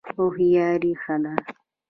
هوښیاري ښه ده.